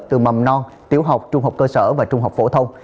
từ mầm non tiểu học trung học cơ sở và trung học phổ thông